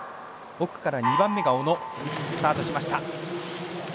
奥から２番目が小野。スタートしました。